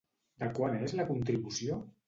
De quant és la contribució?